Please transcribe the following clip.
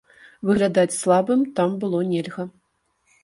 Выглядаць слабым там было нельга.